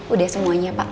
udah semuanya pak